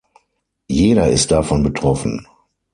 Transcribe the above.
Jeder ist davon betroffen.